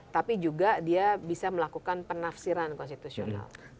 tapi juga dia bisa melakukan penafsiran konstitusional